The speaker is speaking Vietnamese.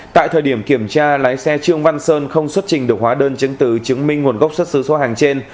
tại thời điểm kiểm tra lái xe trương văn sơn không xuất trình được hóa đơn chứng từ chứng minh nguồn gốc xuất xứ số hàng trên